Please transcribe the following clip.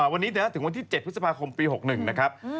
วันนี้ถึงวันที่๗พฤษภาคมปี๖๑นะครับ